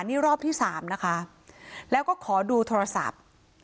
นี่รอบที่สามนะคะแล้วก็ขอดูโทรศัพท์